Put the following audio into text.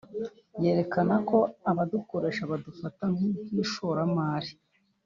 yerekana ko ababukoresha babufata nk’ishoramari